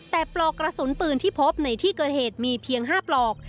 แต่ปลอกกระสุนปืนที่พบในที่เกิดเหตุมีเพียง๕ปลอก